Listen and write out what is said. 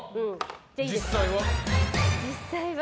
実際は？